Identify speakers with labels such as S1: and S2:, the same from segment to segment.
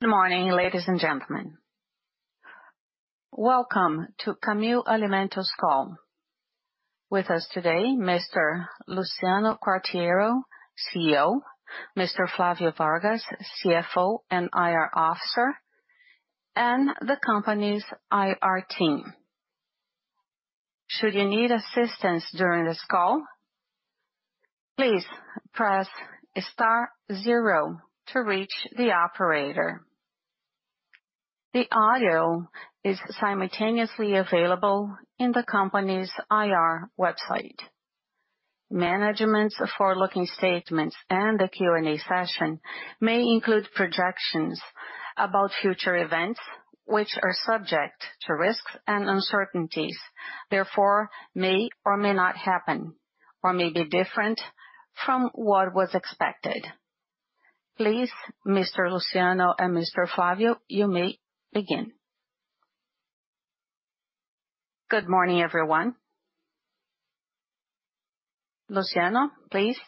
S1: Good morning, ladies and gentlemen. Welcome to Camil Alimentos call. With us today, Mr. Luciano Quartiero, CEO, Mr. Flavio Vargas, CFO and IR Officer, and the company's IR team. Should you need assistance during this call, please press star zero to reach the operator. The audio is simultaneously available in the company's IR website. Management's forward-looking statements and the Q&A session may include projections about future events, which are subject to risks and uncertainties, therefore, may or may not happen or may be different from what was expected. Please, Mr. Luciano and Mr. Flavio, you may begin.
S2: Good morning, everyone. Luciano, please.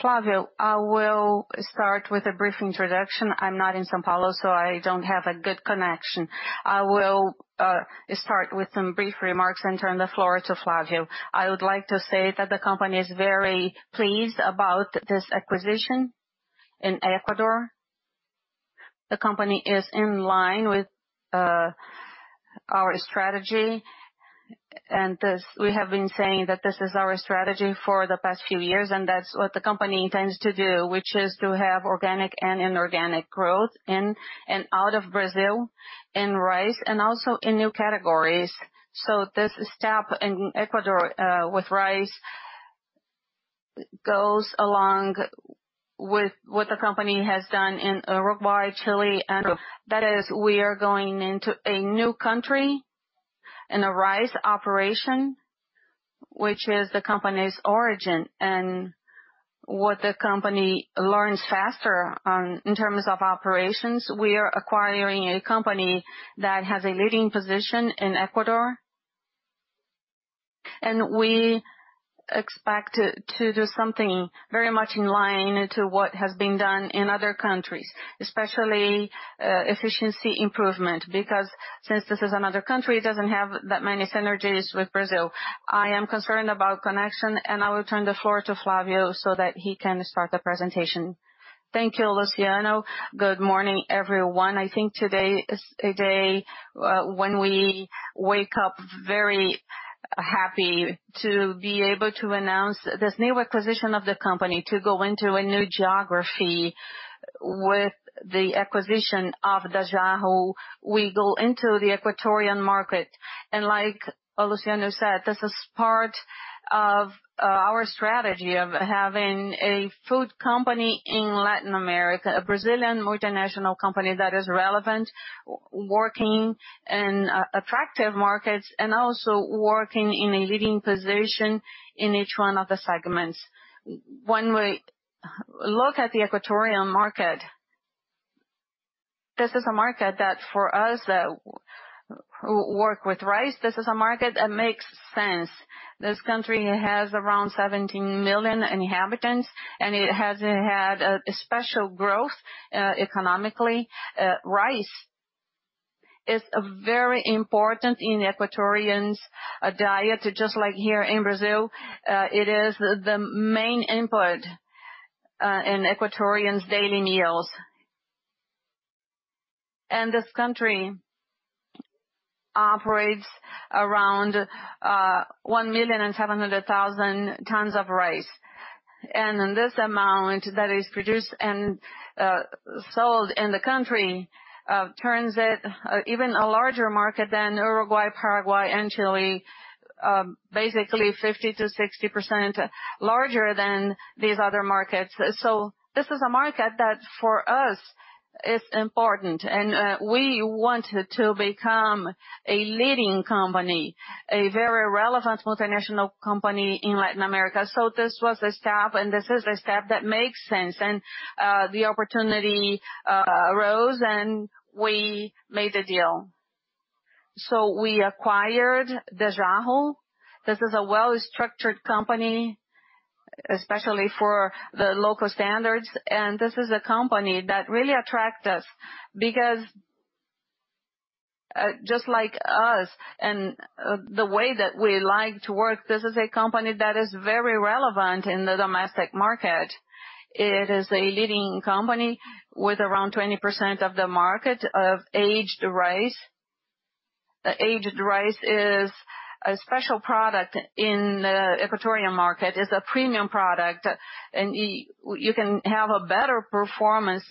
S3: Flavio, I will start with a brief introduction. I'm not in São Paulo, so I don't have a good connection. I will start with some brief remarks and turn the floor to Flavio. I would like to say that the company is very pleased about this acquisition in Ecuador. The company is in line with our strategy. We have been saying that this is our strategy for the past few years, and that's what the company intends to do, which is to have organic and inorganic growth in and out of Brazil, in rice, and also in new categories. This step in Ecuador with rice goes along with what the company has done in Uruguay, Chile, and that is we are going into a new country in a rice operation, which is the company's origin. What the company learns faster in terms of operations, we are acquiring a company that has a leading position in Ecuador. We expect to do something very much in line to what has been done in other countries, especially efficiency improvement, because since this is another country, it doesn't have that many synergies with Brazil. I am concerned about connection, and I will turn the floor to Flavio so that he can start the presentation.
S2: Thank you, Luciano. Good morning, everyone. I think today is a day when we wake up very happy to be able to announce this new acquisition of the company, to go into a new geography with the acquisition of Dajahu. We go into the Ecuadorian market. Like Luciano said, this is part of our strategy of having a food company in Latin America, a Brazilian multinational company that is relevant, working in attractive markets, and also working in a leading position in each one of the segments. When we look at the Ecuadorian market, this is a market that for us, who work with rice, this is a market that makes sense. This country has around 17 million inhabitants, and it has had a special growth economically. Rice is very important in Ecuadorians' diet, just like here in Brazil. It is the main input in Ecuadorians' daily meals. This country operates around 1,700,000 tons of rice. This amount that is produced and sold in the country turns it even a larger market than Uruguay, Paraguay, and Chile, basically 50%-60% larger than these other markets. This is a market that, for us, is important. We want to become a leading company, a very relevant multinational company in Latin America. This was a step, and this is a step that makes sense. The opportunity arose, and we made the deal. We acquired Dajahu. This is a well-structured company, especially for the local standards. This is a company that really attract us because just like us and the way that we like to work, this is a company that is very relevant in the domestic market. It is a leading company with around 20% of the market of aged rice. Aged rice is a special product in the Ecuadorian market. It's a premium product, and you can have a better performance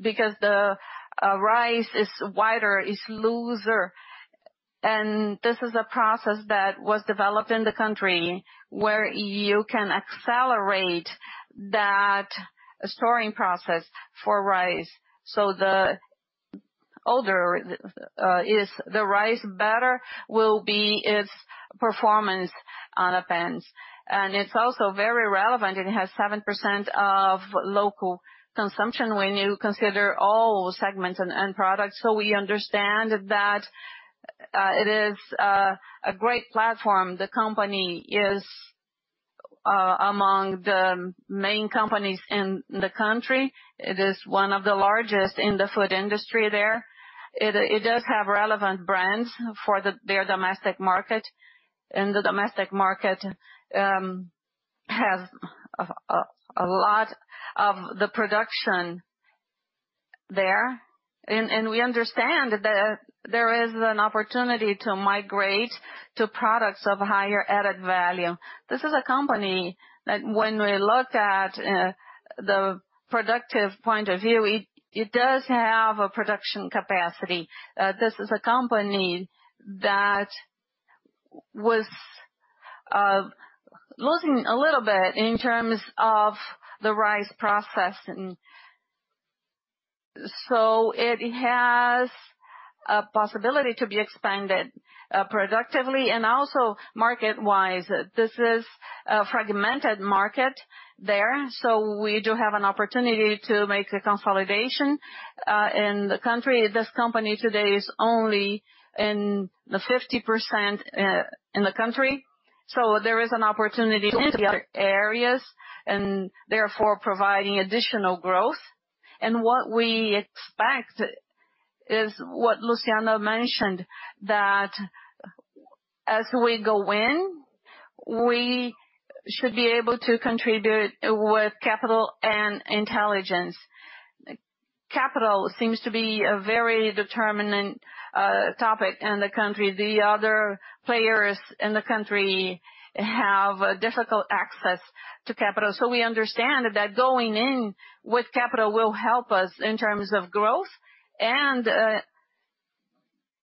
S2: because the rice is wider, is looser. This is a process that was developed in the country where you can accelerate that storing process for rice. The older is the rice, better will be its performance on the pans. It's also very relevant. It has 7% of local consumption when you consider all segments and end products. We understand that it is a great platform. The company is among the main companies in the country. It is one of the largest in the food industry there. It does have relevant brands for their domestic market, and the domestic market has a lot of the production there. We understand that there is an opportunity to migrate to products of higher added value. This is a company that when we look at the productive point of view, it does have a production capacity. This is a company that was losing a little bit in terms of the rice processing. It has a possibility to be expanded productively and also market-wise. This is a fragmented market there, so we do have an opportunity to make a consolidation in the country. This company today is only in the 50% in the country, so there is an opportunity to enter other areas and therefore providing additional growth. What we expect is what Luciano mentioned, that as we go in, we should be able to contribute with capital and intelligence. Capital seems to be a very determinant topic in the country. The other players in the country have difficult access to capital. We understand that going in with capital will help us in terms of growth, and it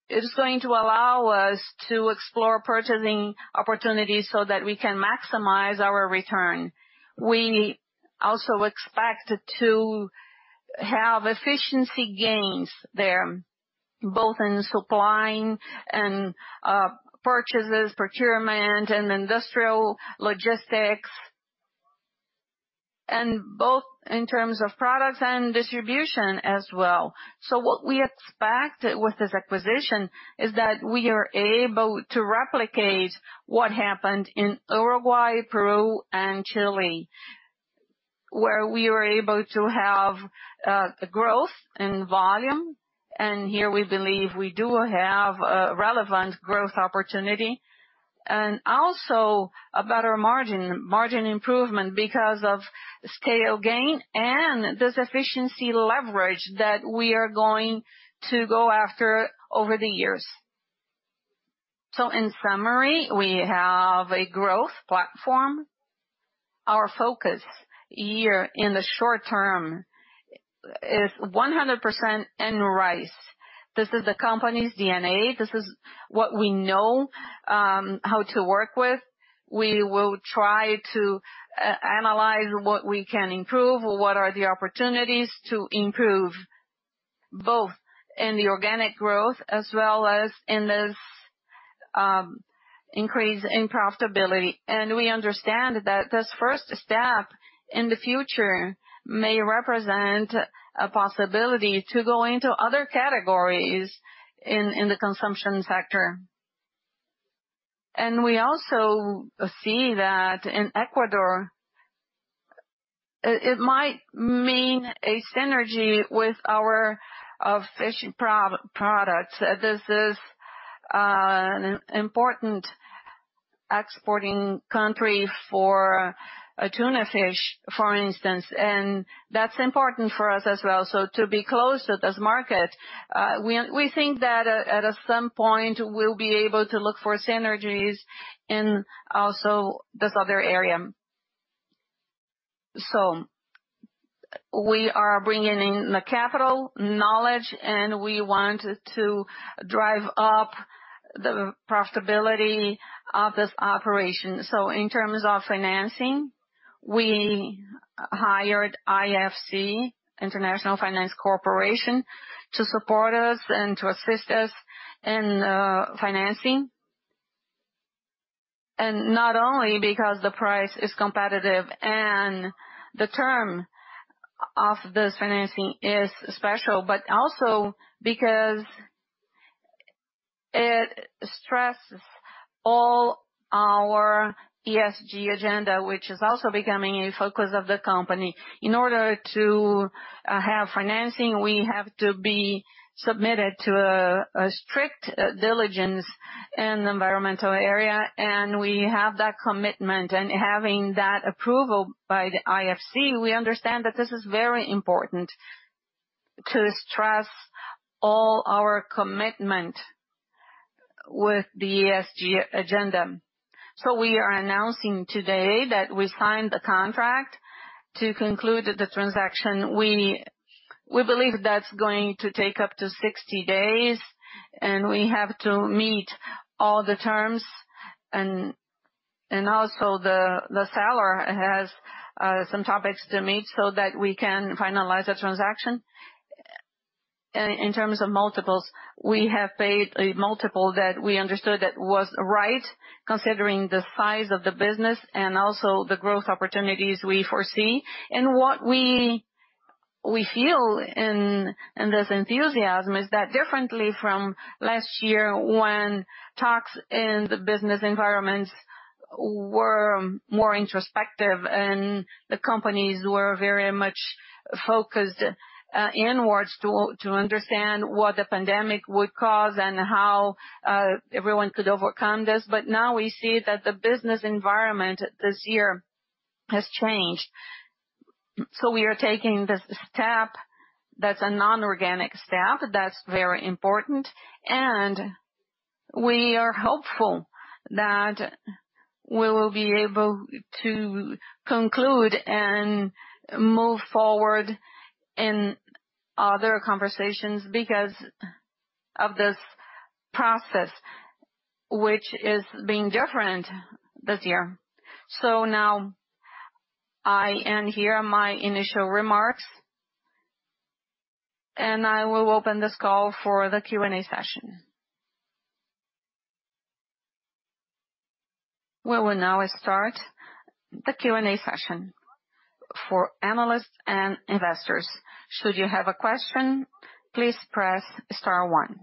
S2: is going to allow us to explore purchasing opportunities so that we can maximize our return. We also expect to have efficiency gains there, both in supplying and purchases, procurement and industrial logistics, and both in terms of products and distribution as well. What we expect with this acquisition is that we are able to replicate what happened in Uruguay, Peru, and Chile, where we were able to have growth and volume. Here we believe we do have a relevant growth opportunity and also a better margin improvement because of scale gain and this efficiency leverage that we are going to go after over the years. In summary, we have a growth platform. Our focus year in the short term is 100% in rice. This is the company's DNA. This is what we know how to work with. We will try to analyze what we can improve or what are the opportunities to improve, both in the organic growth as well as in this increase in profitability. We understand that this first step in the future may represent a possibility to go into other categories in the consumption sector. We also see that in Ecuador, it might mean a synergy with our fish products. This is important exporting country for tuna fish for instance, and that's important for us as well. To be close to this market, we think that at some point we'll be able to look for synergies in also this other area. we are bringing in the capital knowledge, and we want to drive up the profitability of this operation. in terms of financing, we hired IFC, International Finance Corporation, to support us and to assist us in financing. not only because the price is competitive and the term of this financing is special, but also because it stresses all our ESG agenda, which is also becoming a focus of the company. In order to have financing, we have to be submitted to a strict diligence in the environmental area, and we have that commitment. Having that approval by the IFC, we understand that this is very important to stress all our commitment with the ESG agenda. We are announcing today that we signed the contract to conclude the transaction. We believe that's going to take up to 60 days, and we have to meet all the terms, and also the seller has some topics to meet so that we can finalize the transaction. In terms of multiples, we have paid a multiple that we understood that was right considering the size of the business and also the growth opportunities we foresee. What we feel in this enthusiasm is that differently from last year, when talks in the business environments were more introspective, and the companies were very much focused inwards to understand what the pandemic would cause and how everyone could overcome this. Now we see that the business environment this year has changed. We are taking this step, that's a non-organic step, that's very important, and we are hopeful that we will be able to conclude and move forward in other conversations because of this process, which is being different this year. Now I end here my initial remarks. I will open this call for the Q&A session.
S1: We will now start the Q&A session for analysts and investors. Should you have a question, please press star one.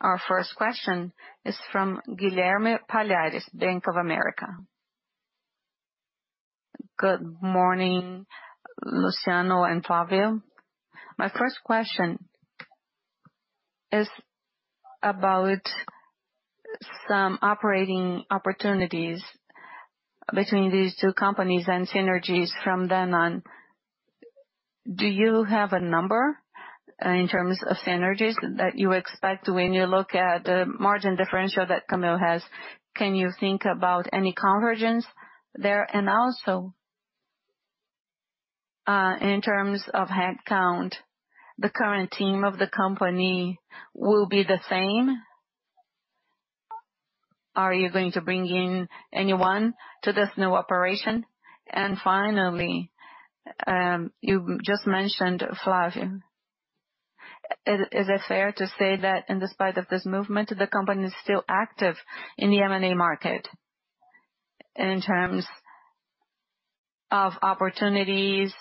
S1: Our first question is from Guilherme Palhares, Bank of America.
S4: Good morning, Luciano and Flavio. My first question is about some operating opportunities between these two companies and synergies from then on. Do you have a number in terms of synergies that you expect when you look at the margin differential that Camil has? Can you think about any convergence there? Also, in terms of headcount, the current team of the company will be the same? Are you going to bring in anyone to this new operation? Finally, you just mentioned, Flavio. Is it fair to say that in despite of this movement, the company is still active in the M&A market in terms of opportunities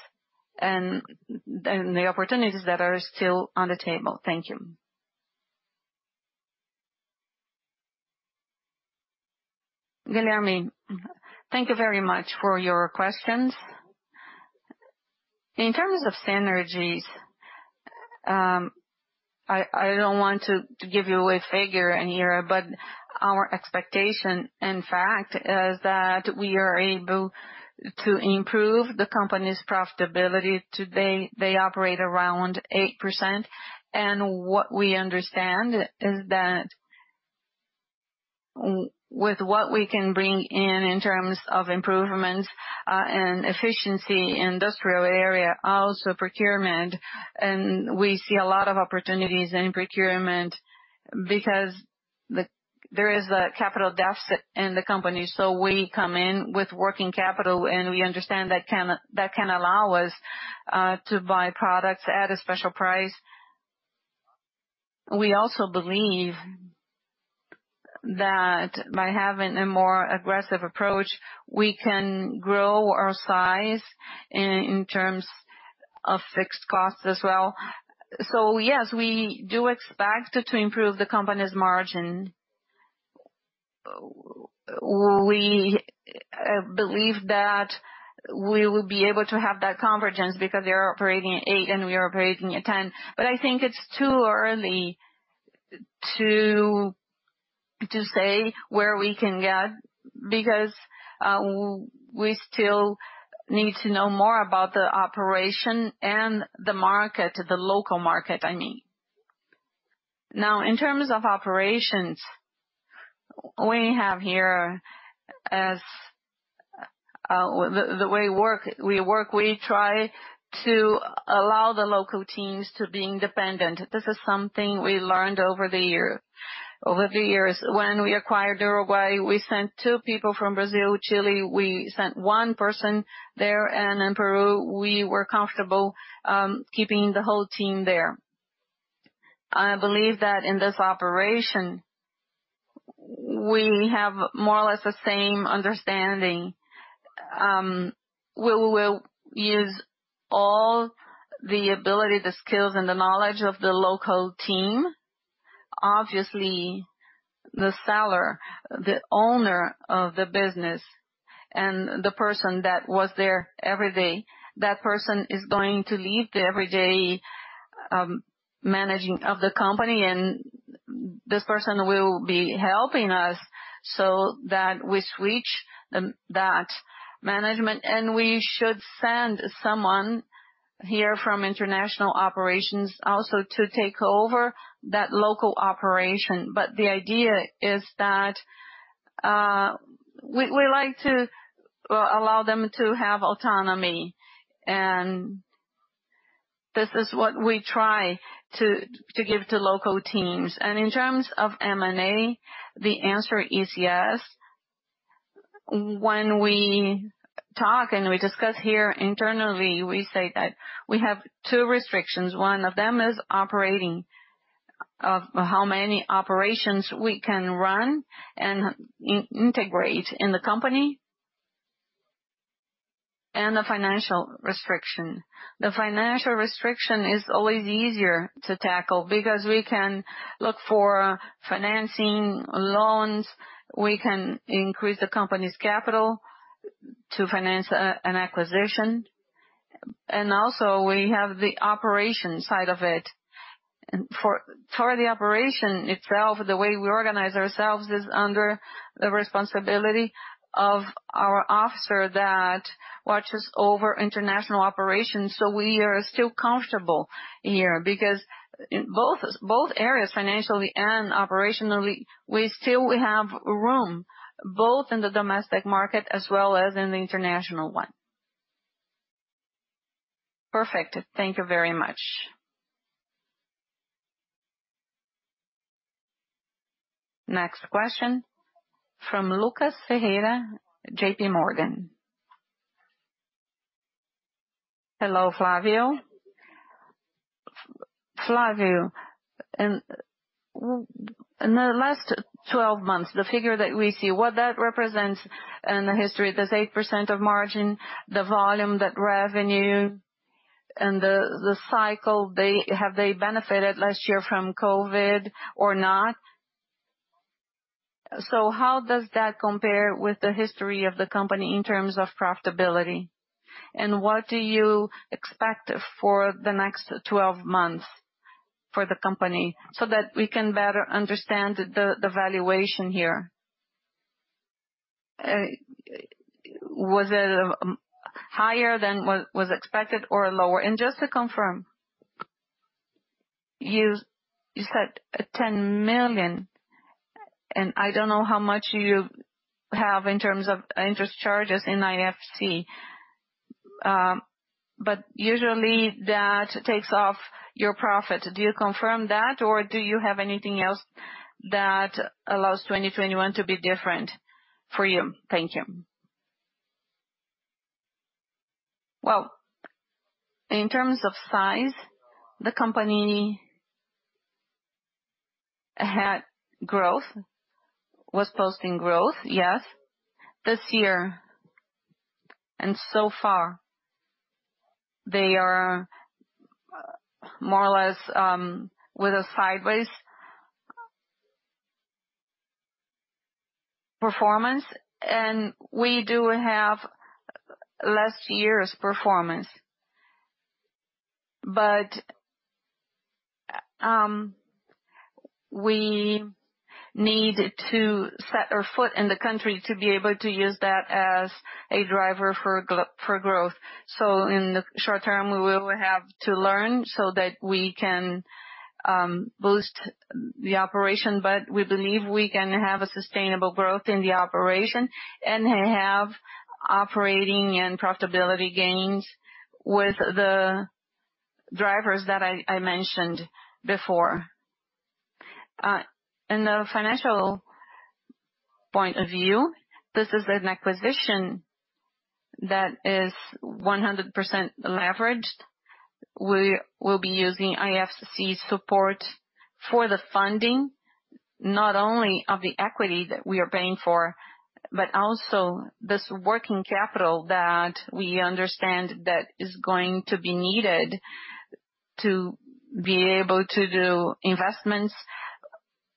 S4: and the opportunities that are still on the table. Thank you.
S2: Guilherme, thank you very much for your questions. In terms of synergies, I don't want to give you a figure in here, but our expectation, in fact, is that we are able to improve the company's profitability. Today, they operate around 8%. What we understand is that with what we can bring in terms of improvements, efficiency industrial area, also procurement, and we see a lot of opportunities in procurement because there is a capital deficit in the company. We come in with working capital, and we understand that can allow us to buy products at a special price. We also believe that by having a more aggressive approach, we can grow our size in terms of fixed costs as well. Yes, we do expect to improve the company's margin. We believe that we will be able to have that convergence because they are operating at eight and we are operating at 10. I think it's too early to say where we can get because we still need to know more about the operation and the market, the local market, I mean. Now, in terms of operations, we have here as the way we work, we try to allow the local teams to be independent. This is something we learned over the years. When we acquired Uruguay, we sent two people from Brazil. Chile, we sent one person there, and in Peru, we were comfortable keeping the whole team there. I believe that in this operation, we have more or less the same understanding. We will use all the ability, the skills, and the knowledge of the local team. Obviously, the seller, the owner of the business, and the person that was there every day, that person is going to lead the everyday managing of the company. This person will be helping us so that we switch that management, and we should send someone here from international operations also to take over that local operation. The idea is that we like to allow them to have autonomy, and this is what we try to give to local teams. In terms of M&A, the answer is yes. When we talk and we discuss here internally, we say that we have two restrictions. One of them is operating how many operations we can run and integrate in the company, and the financial restriction. The financial restriction is always easier to tackle because we can look for financing loans. We can increase the company's capital to finance an acquisition. Also we have the operation side of it. For the operation itself, the way we organize ourselves is under the responsibility of our officer that watches over international operations. We are still comfortable here because both areas, financially and operationally, we still have room, both in the domestic market as well as in the international one.
S4: Perfect. Thank you very much.
S1: Next question from Lucas Ferreira, JPMorgan.
S5: Hello, Flavio. Flavio, in the last 12 months, the figure that we see, what that represents in the history, this 8% of margin, the volume, that revenue and the cycle, have they benefited last year from COVID or not? How does that compare with the history of the company in terms of profitability? What do you expect for the next 12 months for the company so that we can better understand the valuation here? Was it higher than what was expected or lower? Just to confirm, you said 10 million, and I don't know how much you have in terms of interest charges in IFC. Usually that takes off your profit. Do you confirm that, or do you have anything else that allows 2021 to be different for you? Thank you.
S2: Well, in terms of size, the company had growth, was posting growth, yes. This year, and so far, they are more or less with a sideways performance, and we do have last year's performance. We need to set our foot in the country to be able to use that as a driver for growth. In the short term, we will have to learn so that we can boost the operation, but we believe we can have a sustainable growth in the operation and have operating and profitability gains with the drivers that I mentioned before. In the financial point of view, this is an acquisition that is 100% leveraged. We will be using IFC's support for the funding, not only of the equity that we are paying for, but also this working capital that we understand that is going to be needed to be able to do investments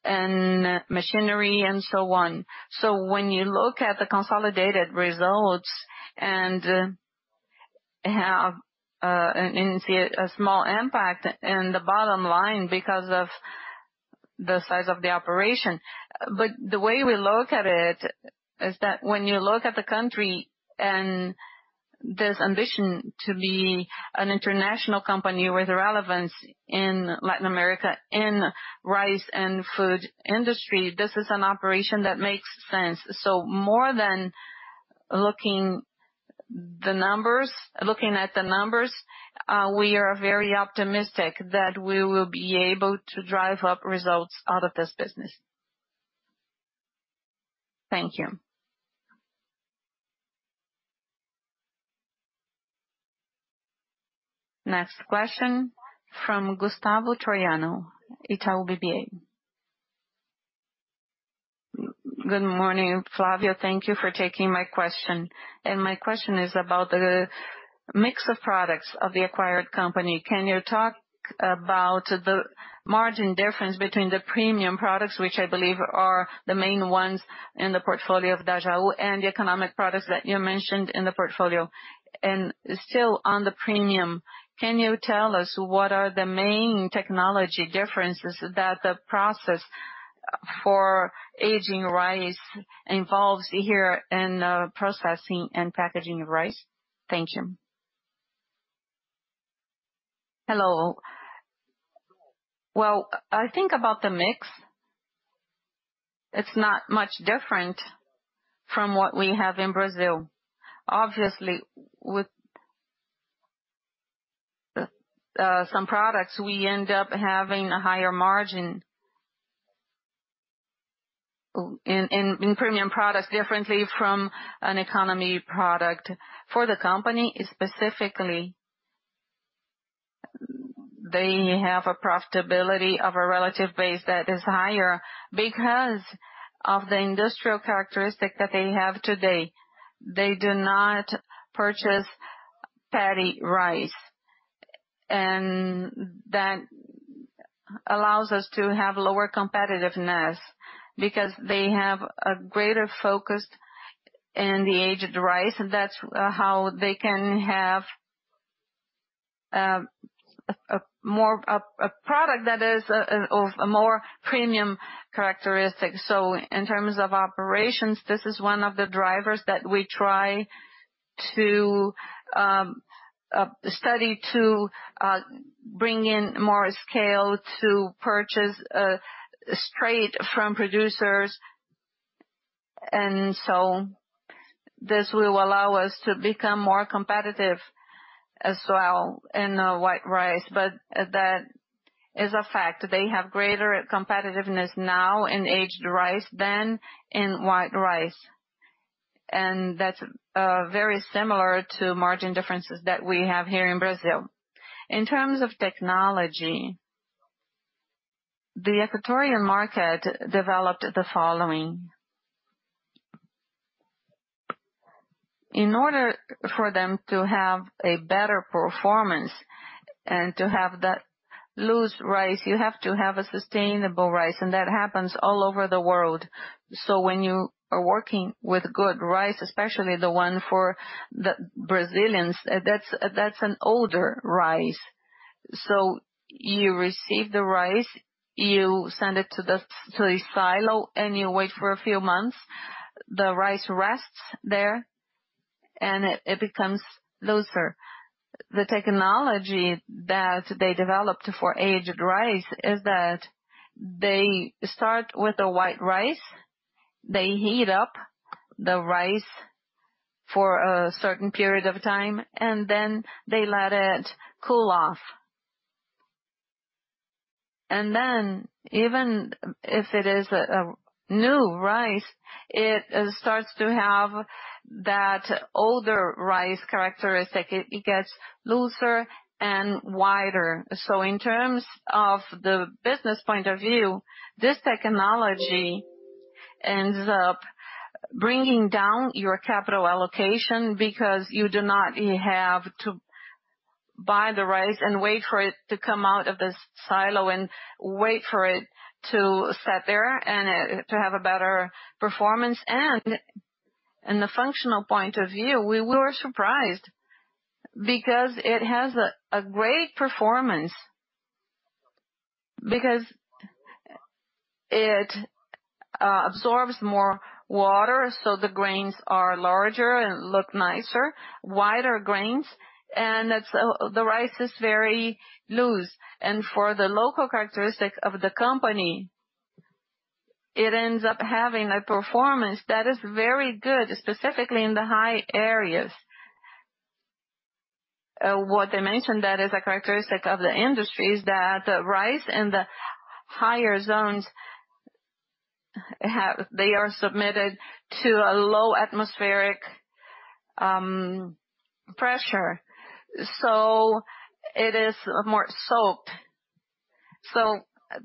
S2: in machinery and so on. When you look at the consolidated results and see a small impact in the bottom line because of the size of the operation. The way we look at it is that when you look at the country and this ambition to be an international company with relevance in Latin America in rice and food industry, this is an operation that makes sense. More than looking at the numbers, we are very optimistic that we will be able to drive up results out of this business.
S5: Thank you.
S1: Next question from Gustavo Troyano, Itaú BBA.
S6: Good morning, Flavio. Thank you for taking my question. My question is about the mix of products of the acquired company. Can you talk about the margin difference between the premium products, which I believe are the main ones in the portfolio of Dajahu, and the economic products that you mentioned in the portfolio. Still on the premium, can you tell us what are the main technology differences that the process for aged rice involves here in processing and packaging of rice? Thank you.
S2: Hello. Well, I think about the mix. It's not much different from what we have in Brazil. Obviously, with some products, we end up having a higher margin in premium products differently from an economy product. For the company specifically, they have a profitability of a relative base that is higher because of the industrial characteristic that they have today. They do not purchase paddy rice. That allows us to have lower competitiveness because they have a greater focus in the aged rice. That's how they can have a product that is of a more premium characteristic. In terms of operations, this is one of the drivers that we try to study to bring in more scale to purchase straight from producers. This will allow us to become more competitive as well in white rice. That is a fact. They have greater competitiveness now in aged rice than in white rice. That's very similar to margin differences that we have here in Brazil. In terms of technology, the Ecuadorian market developed the following. In order for them to have a better performance and to have that loose rice, you have to have a sustainable rice, and that happens all over the world. When you are working with good rice, especially the one for the Brazilians, that's an older rice. You receive the rice, you send it to the silo, and you wait for a few months. The rice rests there and it becomes looser. The technology that they developed for aged rice is that they start with a white rice, they heat up the rice for a certain period of time, and then they let it cool off. Even if it is a new rice, it starts to have that older rice characteristic. It gets looser and wider. In terms of the business point of view, this technology ends up bringing down your capital allocation because you do not have to buy the rice and wait for it to come out of the silo and wait for it to sit there and to have a better performance. The functional point of view, we were surprised because it has a great performance. It absorbs more water, so the grains are larger and look nicer, wider grains. The rice is very loose. For the local characteristic of the company, it ends up having a performance that is very good, specifically in the high areas. What they mentioned that is a characteristic of the industry is that the rice in the higher zones, they are submitted to a low atmospheric pressure. It is more soaked.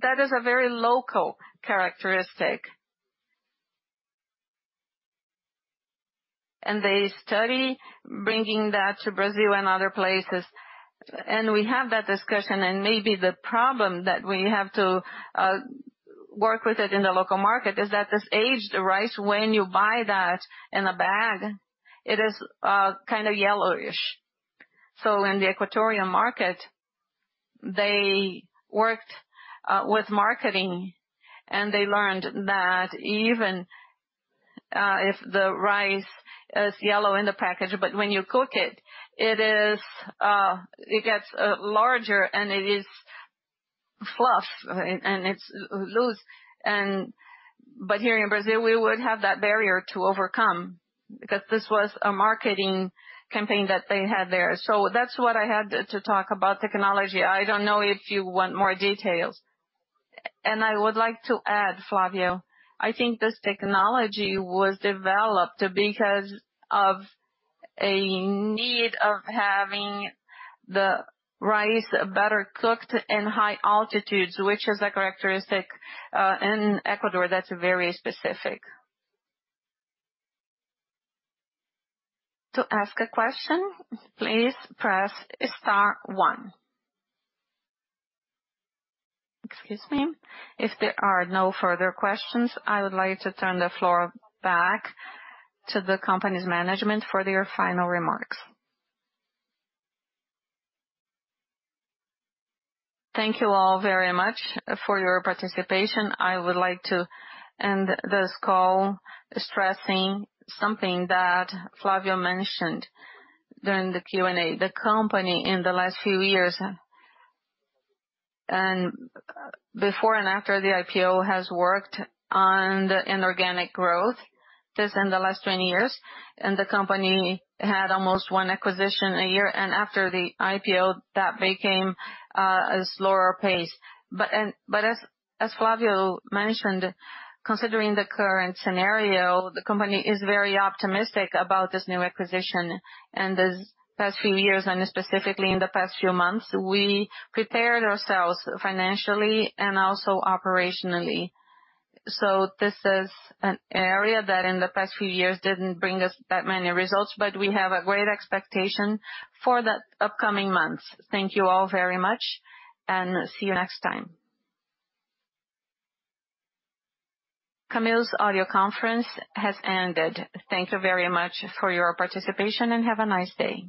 S2: That is a very local characteristic. They study bringing that to Brazil and other places. We have that discussion, and maybe the problem that we have to work with it in the local market is that this aged rice, when you buy that in a bag, it is kind of yellowish. In the Ecuadorian market, they worked with marketing, and they learned that even if the rice is yellow in the package, but when you cook it gets larger and it is fluff and it's loose. Here in Brazil, we would have that barrier to overcome because this was a marketing campaign that they had there. That's what I had to talk about technology. I don't know if you want more details.
S3: I would like to add, Flavio, I think this technology was developed because of a need of having the rice better cooked in high altitudes, which is a characteristic in Ecuador that's very specific.
S1: To ask a question, please press star one. Excuse me. If there are no further questions, I would like to turn the floor back to the company's management for their final remarks.
S3: Thank you all very much for your participation. I would like to end this call stressing something that Flavio mentioned during the Q&A. The company in the last few years and before and after the IPO has worked on the inorganic growth, this in the last 20 years. The company had almost one acquisition a year, and after the IPO, that became a slower pace. As Flavio mentioned, considering the current scenario, the company is very optimistic about this new acquisition. These past few years, and specifically in the past few months, we prepared ourselves financially and also operationally. This is an area that in the past few years didn't bring us that many results, but we have a great expectation for the upcoming months. Thank you all very much and see you next time.
S1: Camil's audio conference has ended. Thank you very much for your participation, and have a nice day.